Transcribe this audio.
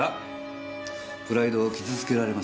プライドを傷つけられましたか？